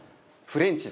フレンチ？